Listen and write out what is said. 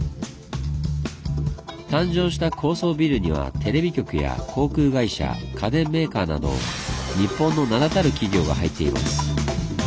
誕生した高層ビルにはテレビ局や航空会社家電メーカーなど日本の名だたる企業が入っています。